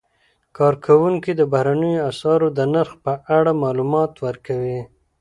کارکوونکي د بهرنیو اسعارو د نرخ په اړه معلومات ورکوي.